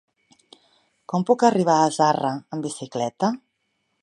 Com puc arribar a Zarra amb bicicleta?